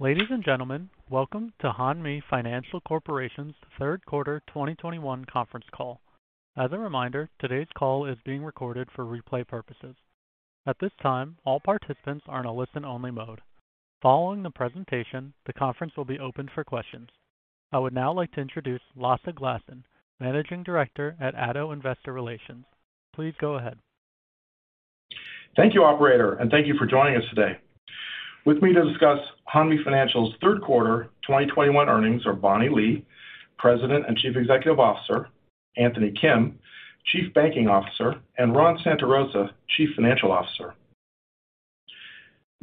Ladies and gentlemen, welcome to Hanmi Financial Corporation's Third Quarter 2021 Conference Call. As a reminder, today's call is being recorded for replay purposes. At this time, all participants are in a listen-only mode. Following the presentation, the conference will be opened for questions. I would now like to introduce Lasse Glassen, Managing Director at Addo Investor Relations. Please go ahead. Thank you, operator, and thank you for joining us today. With me to discuss Hanmi Financial's Third Quarter 2021 Earnings are Bonnie Lee, President and Chief Executive Officer, Anthony Kim, Chief Banking Officer, and Ron Santarosa, Chief Financial Officer.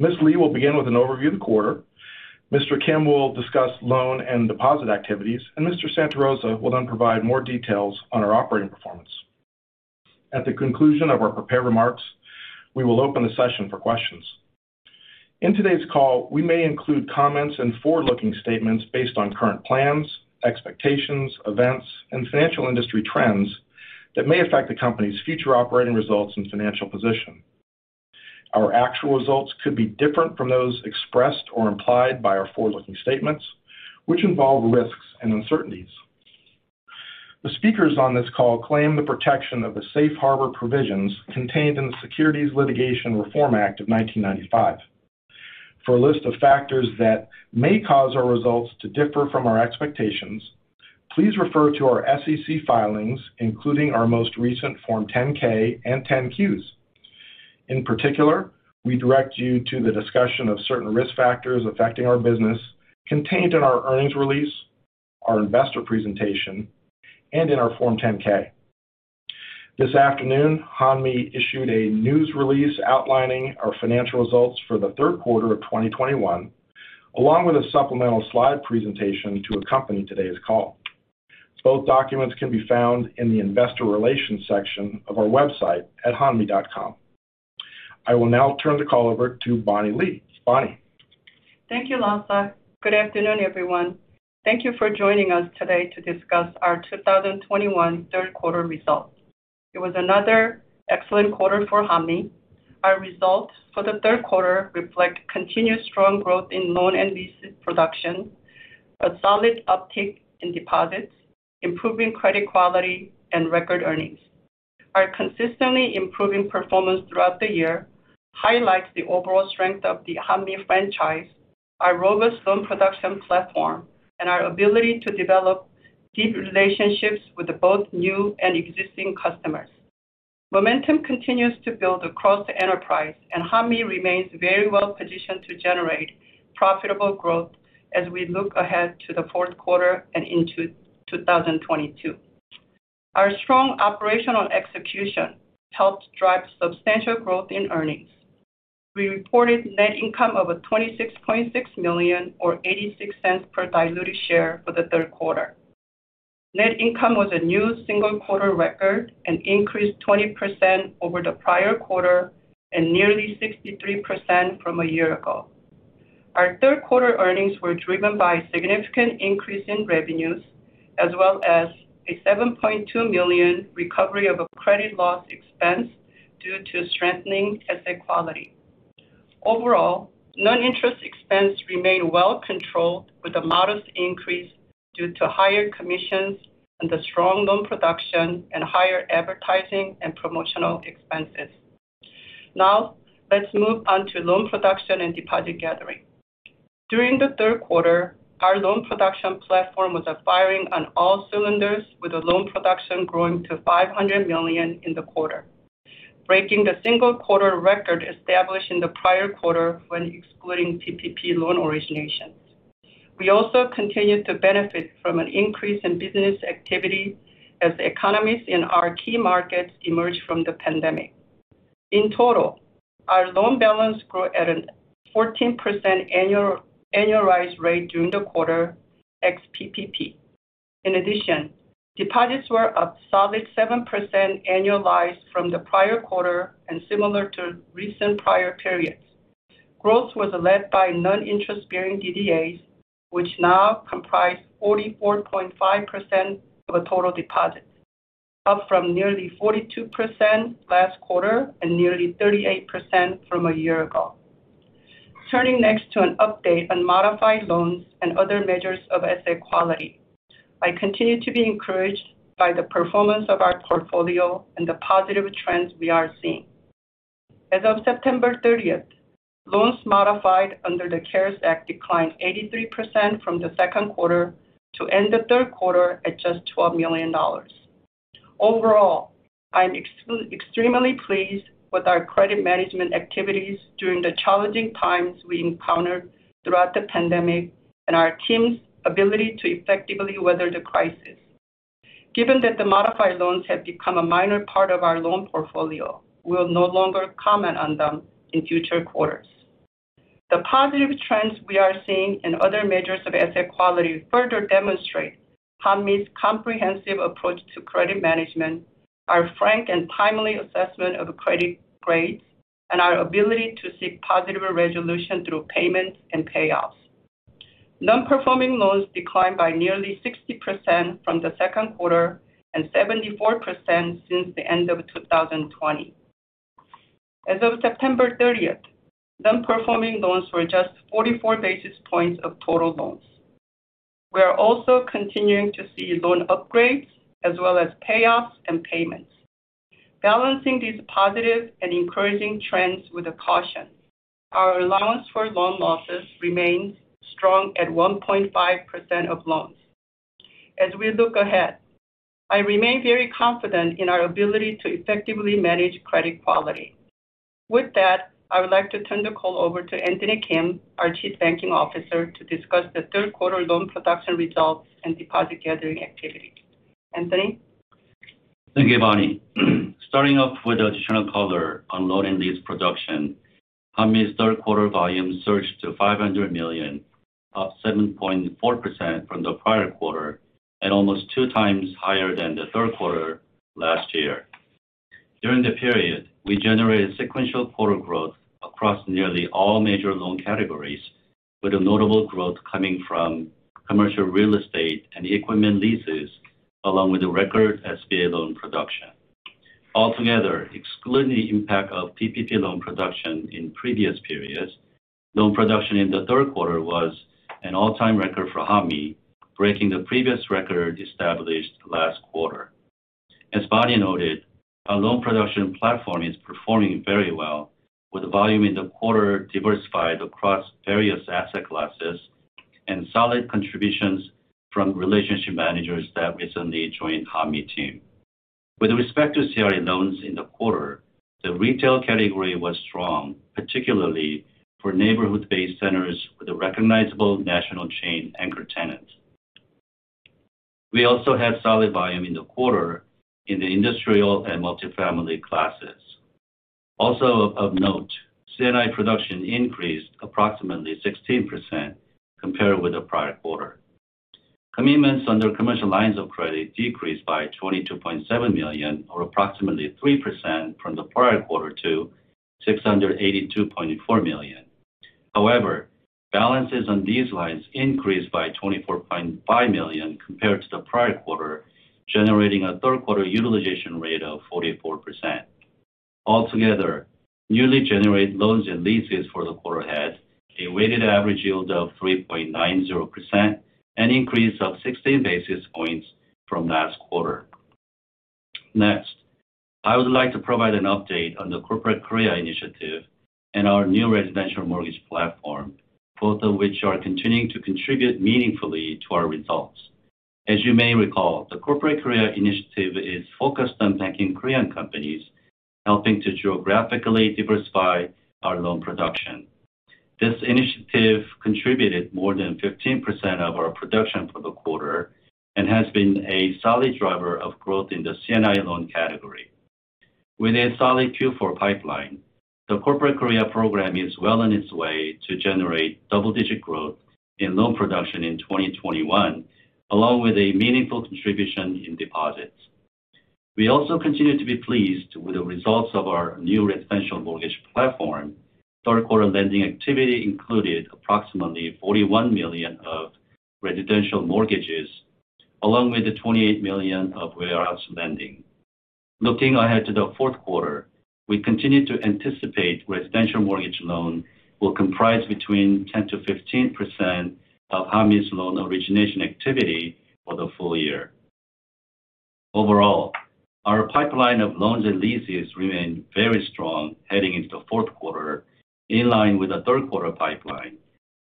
Ms. Lee will begin with an overview of the quarter, Mr. Kim will discuss loan and deposit activities, and Mr. Santarosa will then provide more details on our operating performance. At the conclusion of our prepared remarks, we will open the session for questions. In today's call, we may include comments and forward-looking statements based on current plans, expectations, events, and financial industry trends that may affect the company's future operating results and financial position. Our actual results could be different from those expressed or implied by our forward-looking statements, which involve risks and uncertainties. The speakers on this call claim the protection of the safe harbor provisions contained in the Private Securities Litigation Reform Act of 1995. For a list of factors that may cause our results to differ from our expectations, please refer to our SEC filings, including our most recent Form 10-K and 10-Qs. In particular, we direct you to the discussion of certain risk factors affecting our business contained in our earnings release, our investor presentation, and in our Form 10-K. This afternoon, Hanmi issued a news release outlining our financial results for the third quarter of 2021, along with a supplemental slide presentation to accompany today's call. Both documents can be found in the investor relations section of our website at hanmi.com. I will now turn the call over to Bonnie Lee. Bonnie. Thank you, Lasse. Good afternoon, everyone. Thank you for joining us today to discuss our 2021 Third Quarter Results. It was another excellent quarter for Hanmi. Our results for the third quarter reflect continued strong growth in loan and lease production, a solid uptick in deposits, improving credit quality, and record earnings. Our consistently improving performance throughout the year highlights the overall strength of the Hanmi franchise, our robust loan production platform, and our ability to develop deep relationships with both new and existing customers. Momentum continues to build across the enterprise, and Hanmi remains very well positioned to generate profitable growth as we look ahead to the fourth quarter and into 2022. Our strong operational execution helped drive substantial growth in earnings. We reported net income of $26.6 million or $0.86 per diluted share for the third quarter. Net income was a new single-quarter record and increased 20% over the prior-quarter and nearly 63% from a year ago. Our third quarter earnings were driven by a significant increase in revenues as well as a $7.2 million recovery of a credit loss expense due to strengthening asset quality. Overall, non-interest expense remained well controlled with a modest increase due to higher commissions and the strong loan production and higher advertising and promotional expenses. Now let's move on to loan production and deposit gathering. During the third quarter, our loan production platform was firing on all cylinders, with loan production growing to $500 million in the quarter, breaking the single quarter record established in the prior quarter when excluding PPP loan originations. We also continued to benefit from an increase in business activity as economies in our key markets emerged from the pandemic. In total, our loan balance grew at a 14% annualized rate during the quarter ex PPP. In addition, deposits were up solid 7% annualized from the prior-quarter and similar to recent prior-periods. Growth was led by non-interest bearing DDAs, which now comprise 44.5% of total deposits, up from nearly 42% last quarter and nearly 38% from a year ago. Turning next to an update on modified loans and other measures of asset quality, I continue to be encouraged by the performance of our portfolio and the positive trends we are seeing. As of September 30, loans modified under the CARES Act declined 83% from the second quarter to end the third quarter at just $12 million. Overall, I'm extremely pleased with our credit management activities during the challenging times we encountered throughout the pandemic and our team's ability to effectively weather the crisis. Given that the modified loans have become a minor part of our loan portfolio, we'll no longer comment on them in future quarters. The positive trends we are seeing in other measures of asset quality further demonstrate Hanmi's comprehensive approach to credit management, our frank and timely assessment of credit grades, and our ability to seek positive resolution through payments and payoffs. Non-performing loans declined by nearly 60% from the second quarter and 74% since the end of 2020. As of September 30, non-performing loans were just 44 basis points of total loans. We are also continuing to see loan upgrades as well as payoffs and payments. Balancing these positive and encouraging trends with a caution, our allowance for loan losses remains strong at 1.5% of loans. As we look ahead, I remain very confident in our ability to effectively manage credit quality. With that, I would like to turn the call over to Anthony Kim, our Chief Banking Officer, to discuss the third quarter loan production results and deposit gathering activity. Anthony. Thank you, Bonnie. Starting off with additional color on loan and lease production, Hanmi's third quarter volume surged to $500 million, up 7.4% from the prior-quarter and almost two times higher than the third quarter last year. During the period, we generated sequential quarter growth across nearly all major loan categories, with a notable growth coming from commercial real estate and equipment leases, along with a record SBA loan production. Altogether, excluding the impact of PPP loan production in previous periods, loan production in the third quarter was an all-time record for Hanmi, breaking the previous record established last quarter. As Bonnie noted, our loan production platform is performing very well with volume in the quarter diversified across various asset classes and solid contributions from relationship managers that recently joined Hanmi team. With respect to CRE loans in the quarter, the retail category was strong, particularly for neighborhood-based centers with a recognizable national chain anchor tenant. We also had solid volume in the quarter in the industrial and multifamily classes. Also of note, C&I production increased approximately 16% compared with the prior-quarter. Commitments under commercial lines of credit decreased by $22.7 million, or approximately 3% from the prior-quarter to $682.4 million. However, balances on these lines increased by $24.5 million compared to the prior-quarter, generating a third quarter utilization rate of 44%. Altogether, newly generated loans and leases for the quarter had a weighted average yield of 3.90%, an increase of 60 basis points from last quarter. Next, I would like to provide an update on the Corporate Korea initiative and our new residential mortgage platform, both of which are continuing to contribute meaningfully to our results. As you may recall, the Corporate Korea initiative is focused on banking Korean companies, helping to geographically diversify our loan production. This initiative contributed more than 15% of our production for the quarter and has been a solid driver of growth in the C&I loan category. With a solid Q4 pipeline, the Corporate Korea program is well on its way to generate double-digit growth in loan production in 2021, along with a meaningful contribution in deposits. We also continue to be pleased with the results of our new residential mortgage platform. Third quarter lending activity included approximately $41 million of residential mortgages, along with the $28 million of warehouse lending. Looking ahead to the fourth quarter, we continue to anticipate residential mortgage loan will comprise between 10%-15% of Hanmi's loan origination activity for the full-year. Overall, our pipeline of loans and leases remain very strong heading into the fourth quarter, in line with the third quarter pipeline.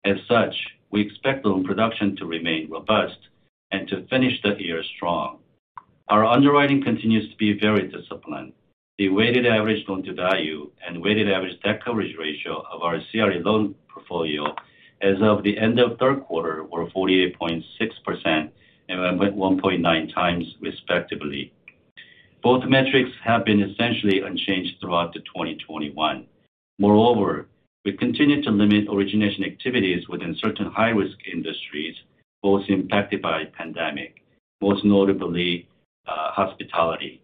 As such, we expect loan production to remain robust and to finish the year strong. Our underwriting continues to be very disciplined. The weighted average loan to value and weighted average debt coverage ratio of our CRE loan portfolio as of the end of third quarter were 48.6% and 1.9x, respectively. Both metrics have been essentially unchanged throughout 2021. Moreover, we continue to limit origination activities within certain high-risk industries most impacted by the pandemic, most notably, hospitality.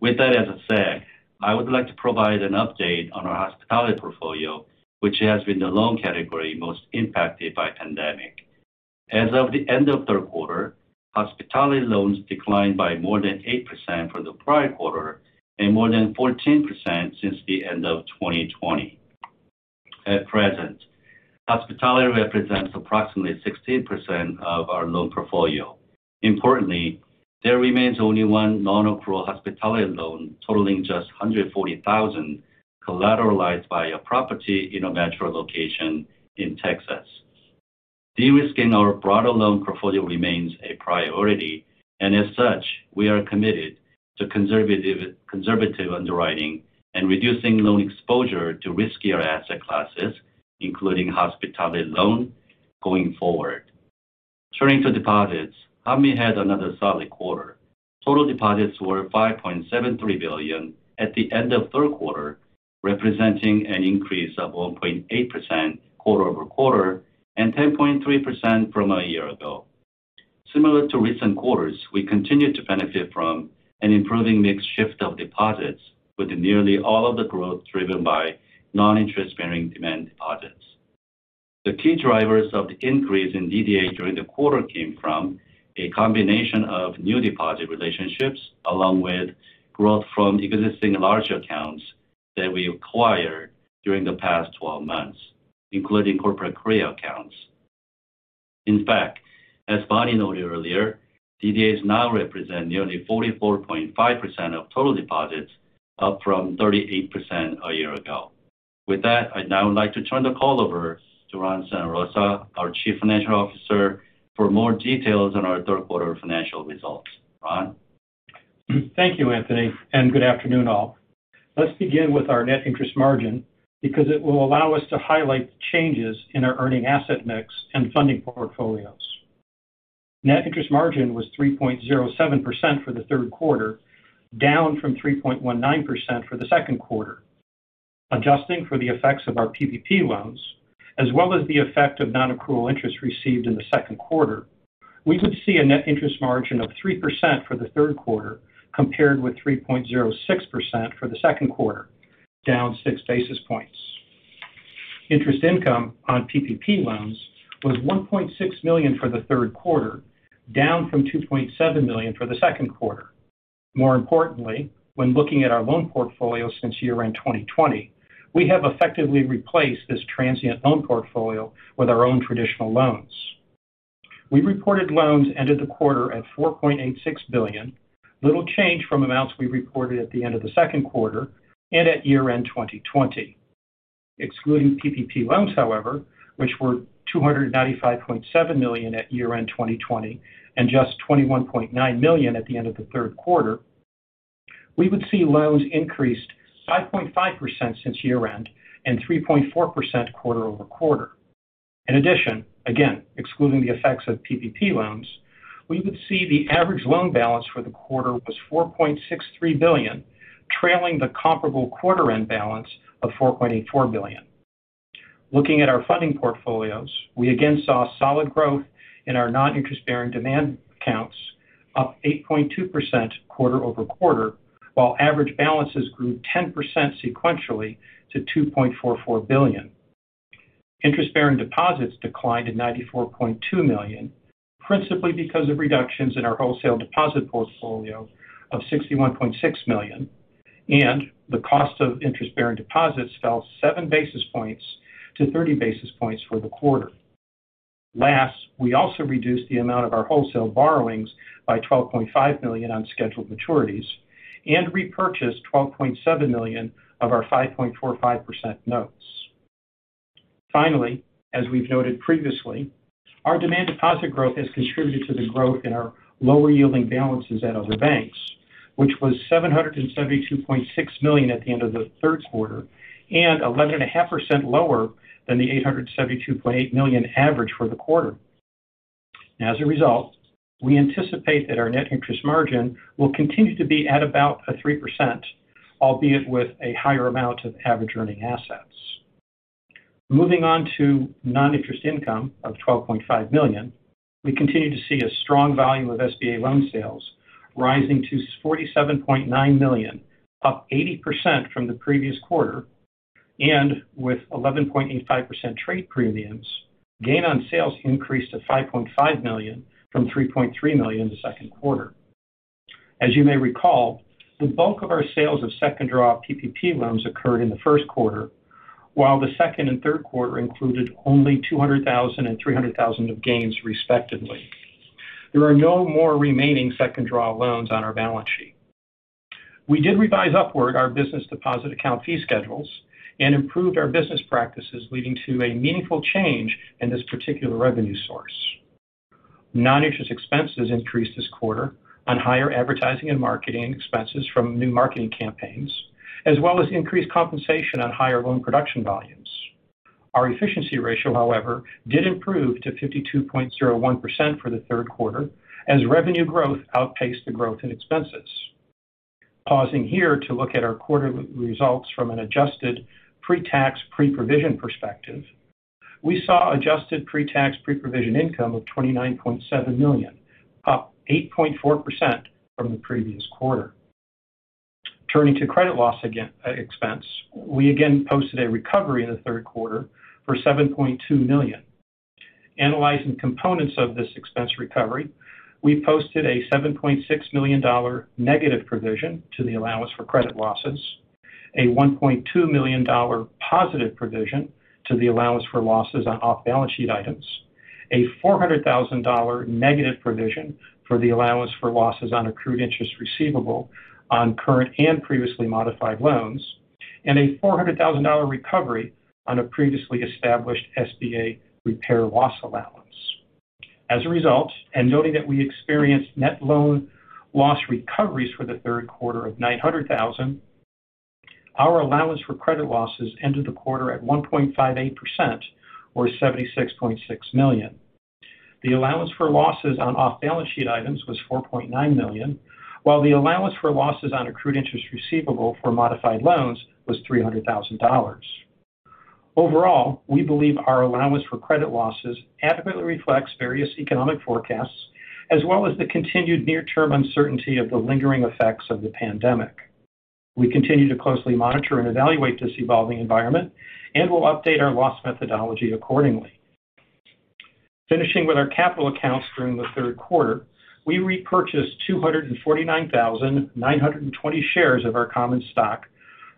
With that, as I said, I would like to provide an update on our hospitality portfolio, which has been the loan category most impacted by the pandemic. As of the end of third quarter, hospitality loans declined by more than 8% from the prior-quarter and more than 14% since the end of 2020. At present, hospitality represents approximately 16% of our loan portfolio. Importantly, there remains only one non-accrual hospitality loan totaling just $140,000 collateralized by a property in a metro location in Texas. De-risking our broader loan portfolio remains a priority, and as such, we are committed to conservative underwriting and reducing loan exposure to riskier asset classes, including hospitality loans going forward. Turning to deposits, Hanmi had another solid quarter. Total deposits were $5.73 billion at the end of third quarter, representing an increase of 1.8% quarter-over-quarter and 10.3% from a year ago. Similar to recent quarters, we continue to benefit from an improving mix shift of deposits with nearly all of the growth driven by non-interest-bearing demand deposits. The key drivers of the increase in DDA during the quarter came from a combination of new deposit relationships along with growth from existing large accounts that we acquired during the past twelve months, including Corporate Korea accounts. In fact, as Bonnie noted earlier, DDAs now represent nearly 44.5% of total deposits, up from 38% a year ago. With that, I'd now like to turn the call over to Ron Santarosa, our Chief Financial Officer, for more details on our third quarter financial results. Ron? Thank you, Anthony, and good afternoon all. Let's begin with our net interest margin because it will allow us to highlight changes in our earning asset mix and funding portfolios. Net interest margin was 3.07% for the third quarter, down from 3.19% for the second quarter. Adjusting for the effects of our PPP loans, as well as the effect of non-accrual interest received in the second quarter, we would see a net interest margin of 3% for the third quarter compared with 3.06% for the second quarter, down 6 basis points. Interest income on PPP loans was $1.6 million for the third quarter, down from $2.7 million for the second quarter. More importantly, when looking at our loan portfolio since year-end 2020, we have effectively replaced this transient loan portfolio with our own traditional loans. We reported loans ended the quarter at $4.86 billion, little change from amounts we reported at the end of the second quarter and at year-end 2020. Excluding PPP loans, however, which were $295.7 million at year-end 2020 and just $21.9 million at the end of the third quarter, we would see loans increased 5.5% since year-end and 3.4% quarter-over-quarter. In addition, again excluding the effects of PPP loans, we would see the average loan balance for the quarter was $4.63 billion, trailing the comparable quarter-end balance of $4.84 billion. Looking at our funding portfolios, we again saw solid growth in our non-interest-bearing demand accounts, up 8.2% quarter-over-quarter, while average balances grew 10% sequentially to $2.44 billion. Interest-bearing deposits declined $94.2 million, principally because of reductions in our wholesale deposit portfolio of $61.6 million, and the cost of interest-bearing deposits fell 7 basis points to 30 basis points for the quarter. Last, we also reduced the amount of our wholesale borrowings by $12.5 million on scheduled maturities and repurchased $12.7 million of our 5.45% notes. Finally, as we've noted previously, our demand deposit growth has contributed to the growth in our lower-yielding balances at other banks, which was $772.6 million at the end of the third quarter and 11.5% lower than the $872.8 million average for the quarter. As a result, we anticipate that our net interest margin will continue to be at about 3%, albeit with a higher amount of average earning assets. Moving on to non-interest income of $12.5 million, we continue to see a strong volume of SBA loan sales rising to $47.9 million, up 80% from the previous quarter. With 11.85% trade premiums, gain on sales increased to $5.5 million from $3.3 million in the second quarter. As you may recall, the bulk of our sales of second draw PPP loans occurred in the first quarter, while the second and third quarter included only $200,000 and $300,000 of gains, respectively. There are no more remaining second draw loans on our balance sheet. We did revise upward our business deposit account fee schedules and improved our business practices, leading to a meaningful change in this particular revenue source. Non-interest expenses increased this quarter on higher advertising and marketing expenses from new marketing campaigns, as well as increased compensation on higher loan production volumes. Our efficiency ratio, however, did improve to 52.01% for the third quarter as revenue growth outpaced the growth in expenses. Pausing here to look at our quarterly results from an adjusted pre-tax, pre-provision perspective, we saw adjusted pre-tax, pre-provision income of $29.7 million, up 8.4% from the previous quarter. Turning to credit loss expense, we again posted a recovery in the third quarter for $7.2 million. Analyzing components of this expense recovery, we posted a -$7.6 million provision to the allowance for credit losses, a +$1.2 million provision to the allowance for losses on off-balance sheet items, a -$400,000 provision for the allowance for losses on accrued interest receivable on current and previously modified loans, and a $400,000 recovery on a previously established SBA repair loss allowance. As a result, and noting that we experienced net loan loss recoveries for the third quarter of $900,000, our allowance for credit losses ended the quarter at 1.58% or $76.6 million. The allowance for losses on off-balance sheet items was $4.9 million, while the allowance for losses on accrued interest receivable for modified loans was $300,000. Overall, we believe our allowance for credit losses adequately reflects various economic forecasts as well as the continued near-term uncertainty of the lingering effects of the pandemic. We continue to closely monitor and evaluate this evolving environment, and we'll update our loss methodology accordingly. Finishing with our capital accounts during the third quarter, we repurchased 249,920 shares of our common stock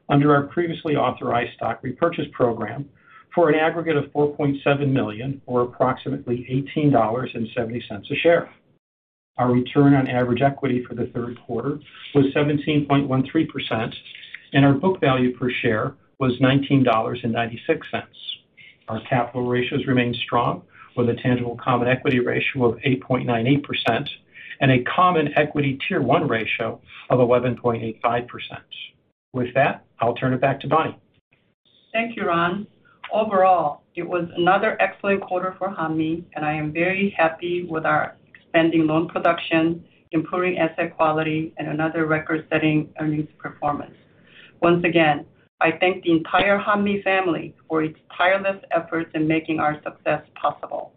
under our previously authorized stock repurchase program for an aggregate of $4.7 million or approximately $18.70 a share. Our return on average equity for the third quarter was 17.13%, and our book value per share was $19.96. Our capital ratios remain strong with a tangible common equity ratio of 8.98% and a common equity tier 1 ratio of 11.85%. With that, I'll turn it back to Bonnie. Thank you, Ron. Overall, it was another excellent quarter for Hanmi, and I am very happy with our expanding loan production, improving asset quality, and another record-setting earnings performance. Once again, I thank the entire Hanmi family for its tireless efforts in making our success possible.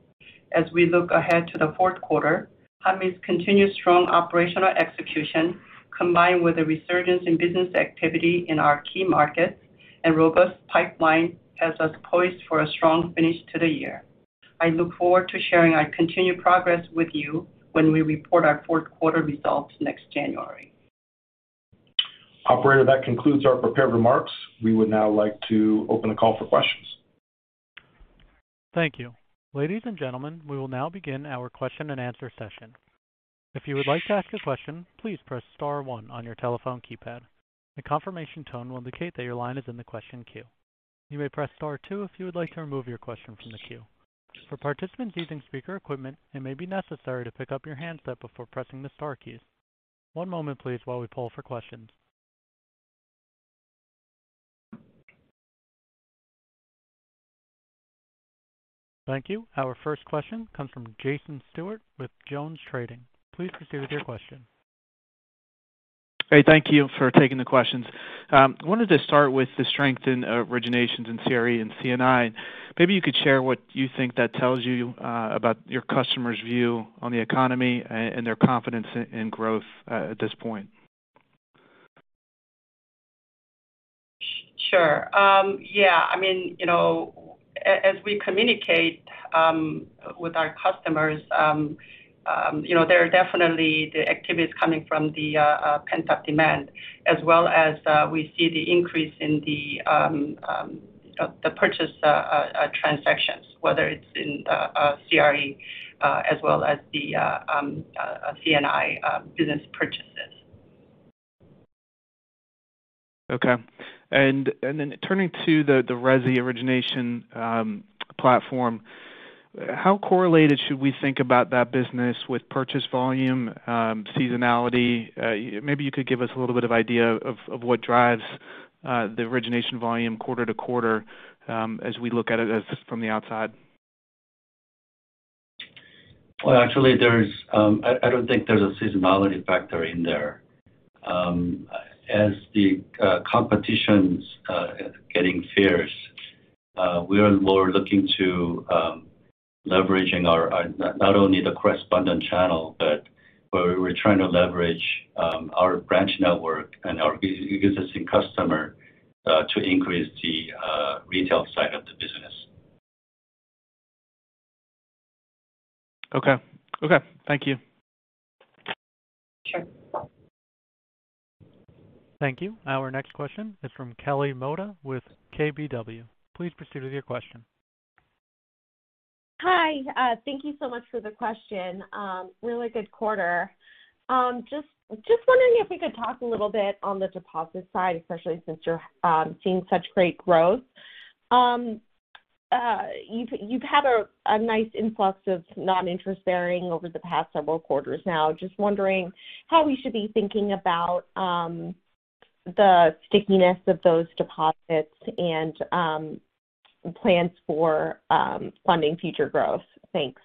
As we look ahead to the fourth quarter, Hanmi's continued strong operational execution, combined with a resurgence in business activity in our key markets and robust pipeline, has us poised for a strong finish to the year. I look forward to sharing our continued progress with you when we report our fourth quarter results next January. Operator, that concludes our prepared remarks. We would now like to open the call for questions. Thank you. Ladies and gentlemen, we will now begin our question-and-answer session. If you would like to ask a question, please press star one on your telephone keypad. A confirmation tone will indicate that your line is in the question queue. You may press star two if you would like to remove your question from the queue. For participants using speaker equipment, it may be necessary to pick up your handset before pressing the star keys. One moment please while we poll for questions. Thank you. Our first question comes from Jason Stewart with JonesTrading. Please proceed with your question. Hey, thank you for taking the questions. I wanted to start with the strength in originations in CRE and C&I. Maybe you could share what you think that tells you about your customers' view on the economy and their confidence in growth at this point. Sure. Yeah. I mean, you know, as we communicate with our customers, you know, there are definitely the activities coming from the pent-up demand as well as we see the increase in the purchase transactions, whether it's in CRE as well as the C&I business purchases. Okay. Turning to the resi origination platform, how correlated should we think about that business with purchase volume seasonality? Maybe you could give us a little bit of idea of what drives the origination volume quarter-to-quarter, as we look at it from the outside. Well, actually, I don't think there's a seasonality factor in there. As the competition's getting fierce, we are more looking to leverage not only the correspondent channel, but we're trying to leverage our branch network and our existing customer to increase the retail side of the business. Okay. Thank you. Sure. Thank you. Our next question is from Kelly Motta with KBW. Please proceed with your question. Hi. Thank you so much for the question. Really good quarter. Just wondering if we could talk a little bit on the deposit side, especially since you're seeing such great growth. You've had a nice influx of noninterest-bearing over the past several quarters now. Just wondering how we should be thinking about the stickiness of those deposits and plans for funding future growth. Thanks.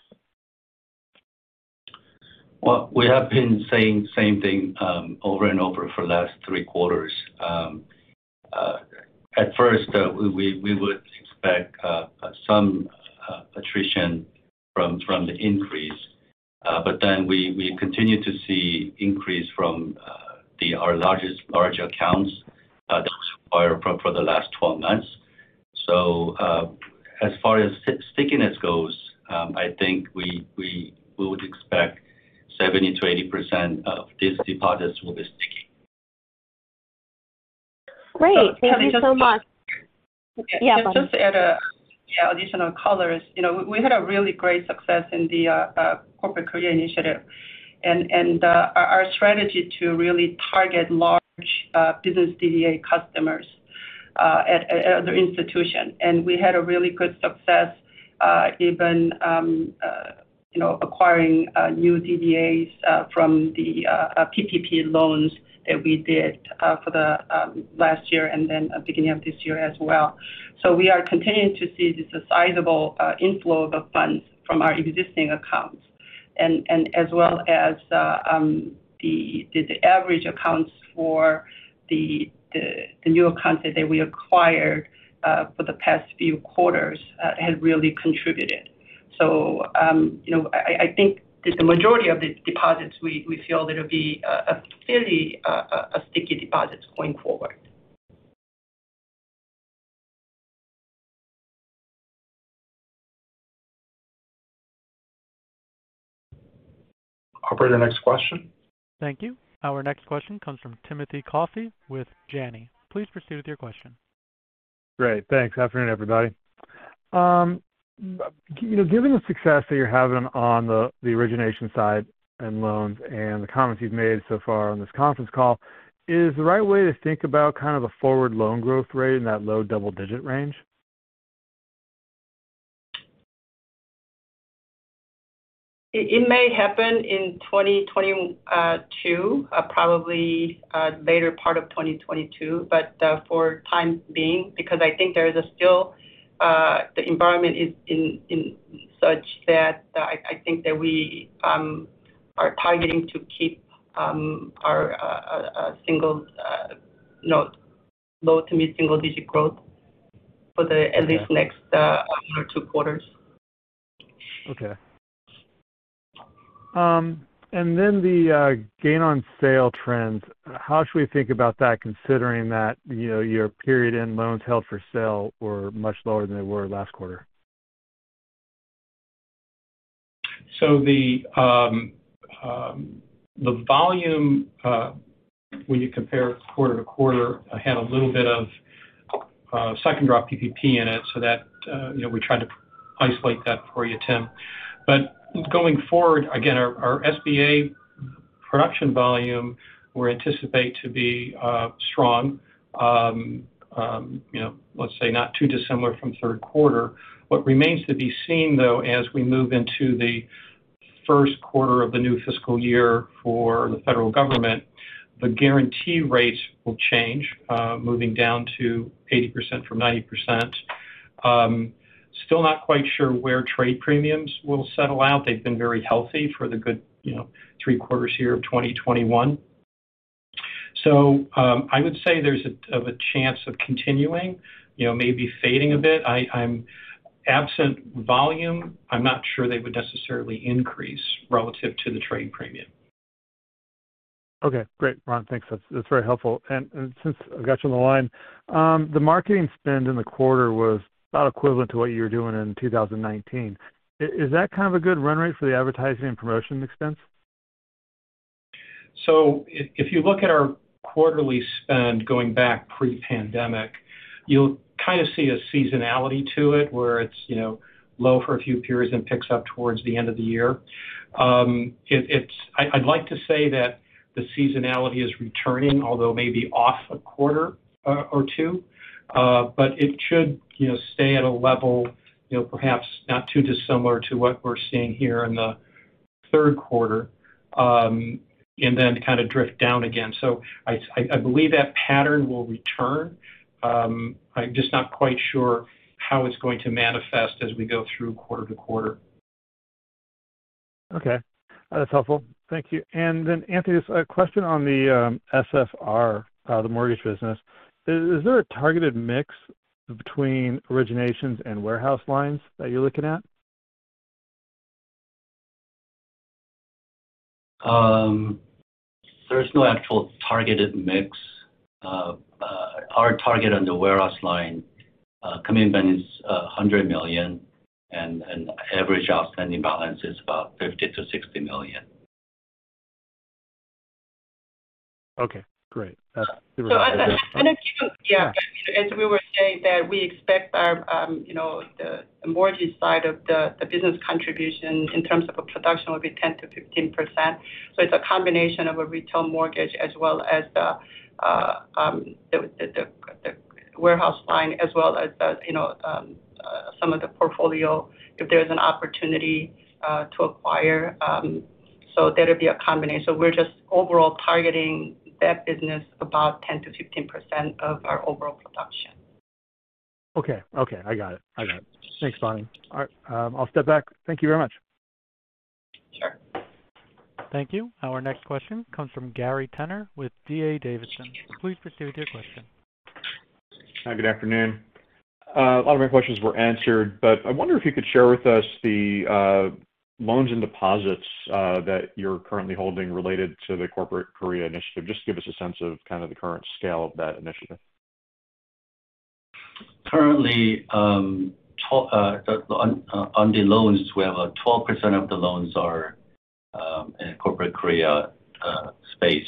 Well, we have been saying same thing over-and-over for last three quarters. At first, we would expect some attrition from the increase. We continue to see increase from our largest accounts for the last 12 months. As far as stickiness goes, I think we would expect 70%-80% of these deposits will be sticky. Great. Thank you so much. Kelly, just. Yeah. Just to add additional colors. You know, we had a really great success in the Corporate Korea initiative and our strategy to really target large business DDA customers at other institutions. We had a really good success, even you know acquiring new DDAs from the PPP loans that we did for the last year and then beginning of this year as well. We are continuing to see this sizable inflow of funds from our existing accounts and as well as the average accounts for the newer accounts that we acquired for the past few quarters has really contributed. You know, I think that the majority of the deposits, we feel that it'll be a fairly sticky deposits going forward. Operator, next question. Thank you. Our next question comes from Timothy Coffey with Janney. Please proceed with your question. Great. Thanks. Afternoon, everybody. You know, given the success that you're having on the origination side and loans and the comments you've made so far on this conference call, is the right way to think about kind of a forward loan growth rate in that low-double-digit range? It may happen in 2022, probably later part of 2022. For time being, because I think there is still the environment is in such that I think that we are targeting to keep our low-to mid-single-digit growth for at least the next one or two quarters. Gain on sale trends, how should we think about that considering that, you know, your period-end loans held for sale were much lower than they were last quarter? The volume when you compare quarter-over-quarter had a little bit of second drop in PPP in it, so that you know we tried to isolate that for you, Tim. Going forward, again, our SBA production volume we anticipate to be strong. You know, let's say not too dissimilar from third quarter. What remains to be seen, though, as we move into the first quarter of the new fiscal year for the federal government, the guarantee rates will change moving down to 80% from 90%. Still not quite sure where trade premiums will settle out. They've been very healthy for a good three quarters here of 2021. I would say there's a chance of continuing, you know, maybe fading a bit. I am absent volume, I'm not sure they would necessarily increase relative to the trade premium. Okay, great, Ron. Thanks. That's very helpful. Since I've got you on the line, the marketing spend in the quarter was about equivalent to what you were doing in 2019. Is that kind of a good run-rate for the advertising and promotion expense? If you look at our quarterly spend going back pre-pandemic, you'll kind of see a seasonality to it where it's, you know, low for a few periods and picks up towards the end of the year. I'd like to say that the seasonality is returning, although maybe off a quarter or two. It should, you know, stay at a level, you know, perhaps not too dissimilar to what we're seeing here in the third quarter, and then kind of drift down again. I believe that pattern will return. I'm just not quite sure how it's going to manifest as we go through quarter to quarter. Okay. That's helpful. Thank you. Then, Anthony, a question on the SFR, the mortgage business. Is there a targeted mix between originations and warehouse lines that you're looking at? There's no actual targeted mix. Our target on the warehouse line commitment is $100 million, and average outstanding balance is about $50 million-$60 million. Okay, great. That's. Yeah. As we were saying that we expect the mortgage side of the business contribution in terms of production will be 10%-15%. It's a combination of a retail mortgage as well as the warehouse line as well as some of the portfolio if there's an opportunity to acquire, so that would be a combination. We're just overall targeting that business about 10%-15% of our overall production. Okay. I got it. Thanks, Bonnie. All right, I'll step back. Thank you very much. Sure. Thank you. Our next question comes from Gary Tenner with D.A. Davidson. Please proceed with your question. Hi, good afternoon. A lot of my questions were answered, but I wonder if you could share with us the loans and deposits that you're currently holding related to the Corporate Korea Initiative. Just give us a sense of kind of the current scale of that initiative. Currently, on the loans, we have a 12% of the loans are in Corporate Korea space,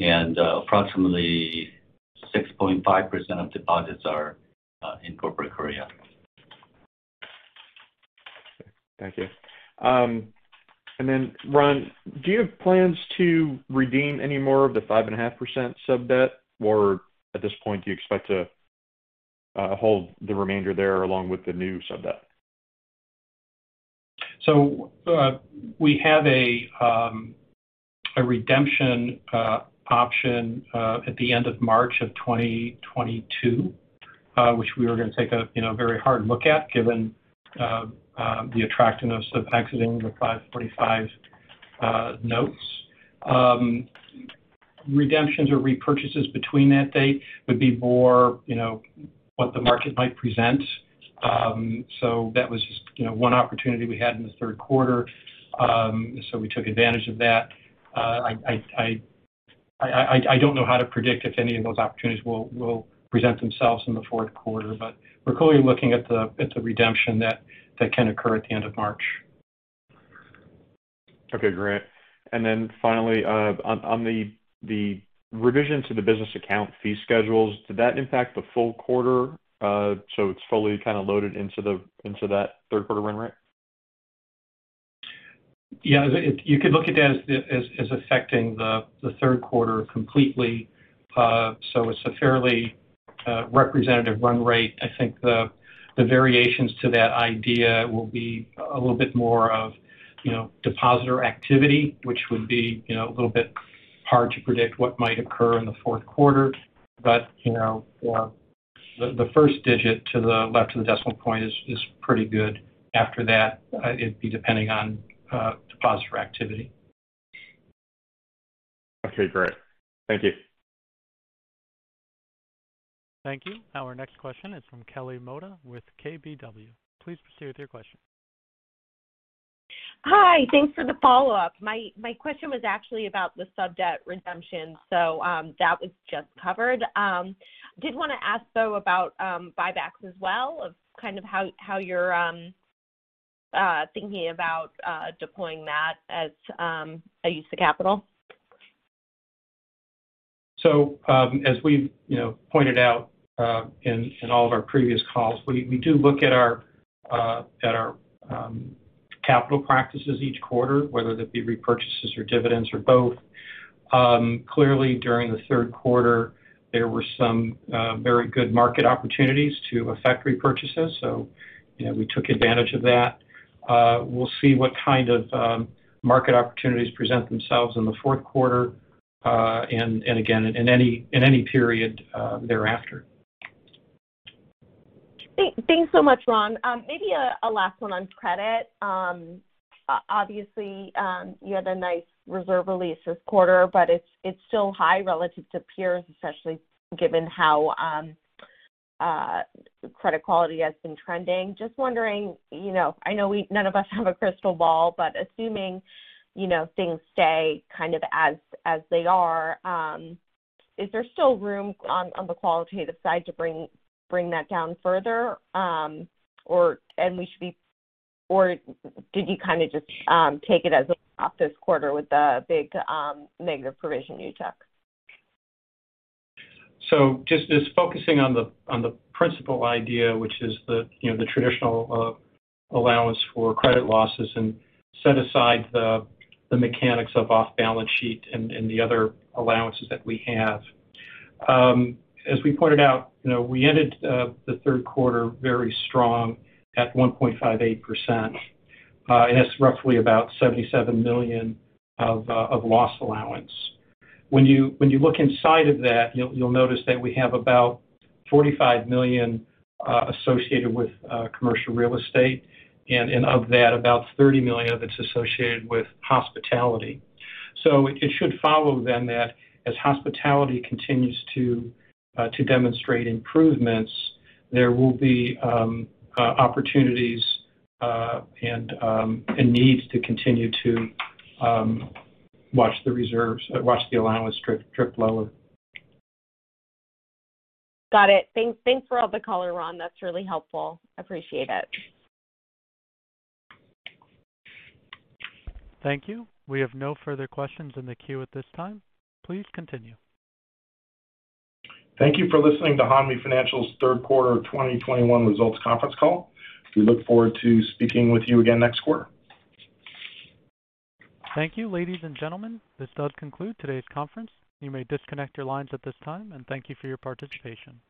and approximately 6.5% of deposits are in Corporate Korea. Thank you. Ron, do you have plans to redeem any more of the 5.5% sub-debt? Or at this point, do you expect to hold the remainder there along with the new sub-debt? We have a redemption option at the end of March 2022, which we were gonna take a you know very hard look at given the attractiveness of exiting the 5.45 notes. Redemptions or repurchases between that date would be more you know what the market might present. That was just you know one opportunity we had in the third quarter, so we took advantage of that. I don't know how to predict if any of those opportunities will present themselves in the fourth quarter, but we're clearly looking at the redemption that can occur at the end of March. Okay, great. Finally, on the revision to the business account fee schedules, did that impact the full quarter, so it's fully kind of loaded into that third quarter run-rate? Yeah. You could look at that as affecting the third quarter completely. It's a fairly representative run rate. I think the variations to that idea will be a little bit more of, you know, depositor activity, which would be, you know, a little bit hard to predict what might occur in the fourth quarter. You know, the first digit to the left of the decimal point is pretty good. After that, it'd be depending on depositor activity. Okay, great. Thank you. Thank you. Our next question is from Kelly Motta with KBW. Please proceed with your question. Hi. Thanks for the follow-up. My question was actually about the sub-debt redemption, so that was just covered. Did wanna ask though about buybacks as well, of kind of how you're thinking about deploying that as a use of capital. As we've you know pointed out in all of our previous calls, we do look at our capital practices each quarter, whether that be repurchases or dividends or both. Clearly during the third quarter, there were some very good market opportunities to effect repurchases, so you know we took advantage of that. We'll see what kind of market opportunities present themselves in the fourth quarter and again in any period thereafter. Thanks so much, Ron. Maybe a last one on credit. Obviously, you had a nice reserve release this quarter, but it's still high relative to peers, especially given how credit quality has been trending. Just wondering, you know, I know none of us have a crystal ball, but assuming, you know, things stay kind of as they are, is there still room on the qualitative side to bring that down further, or did you kind of just take it as this quarter with the big negative provision you took? Just focusing on the principal idea, which is the you know, the traditional allowance for credit losses and set aside the mechanics of off-balance sheet and the other allowances that we have. As we pointed out, you know, we ended the third quarter very strong at 1.58%. It's roughly about $77 million of loss allowance. When you look inside of that, you'll notice that we have about $45 million associated with commercial real estate, and of that, about $30 million of it is associated with hospitality. It should follow then that as hospitality continues to demonstrate improvements, there will be opportunities and needs to continue to watch the allowance drip lower. Got it. Thanks for all the color, Ron. That's really helpful. Appreciate it. Thank you. We have no further questions in the queue at this time. Please continue. Thank you for listening to Hanmi Financial's Third Quarter 2021 Results Conference Call. We look forward to speaking with you again next quarter. Thank you, ladies and gentlemen. This does conclude today's conference. You may disconnect your lines at this time, and thank you for your participation.